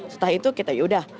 setelah itu kita yaudah